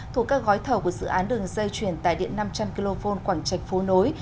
thuộc các gói thầu của dự án đường dây chuyển tại điện năm trăm linh kv quảng trạch phố nối